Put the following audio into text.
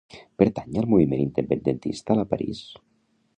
Pertany al moviment independentista la Paris?